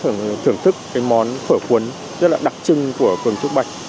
chúng tôi sẽ thưởng thức món phở cuốn rất là đặc trưng của phường trúc bạch